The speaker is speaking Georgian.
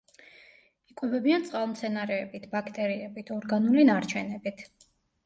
იკვებებიან წყალმცენარეებით, ბაქტერიებით, ორგანული ნარჩენებით.